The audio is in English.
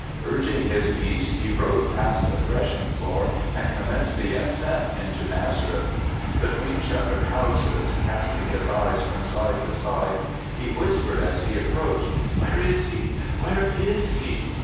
Urging his beast, he rode past the threshing floor and commenced the ascent into Nazareth. Between shut tered houses, casting his eyes from side to side, he whispered as he ap proached, " Where is he ?— Where is he?'